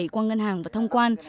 qua ngân hàng và thông quan